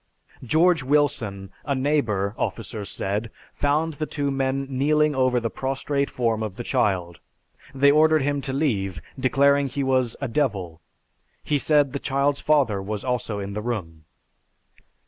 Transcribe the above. George Wilson, a neighbor, officers said, found the two men kneeling over the prostrate form of the child. They ordered him to leave, declaring he was a 'devil.' He said the child's father was in the room."